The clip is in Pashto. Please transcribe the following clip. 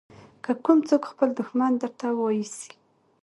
که کوم څوک خپل دښمن درته واېسي.